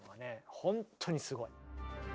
本当にすごい。